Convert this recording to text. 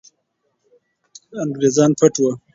انګریزان پټ وو.